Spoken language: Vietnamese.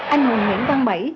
anh nguồn nguyễn văn bảy